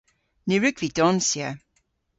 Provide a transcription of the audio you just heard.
Ny wrug vy donsya.